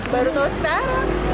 baru tahu sekarang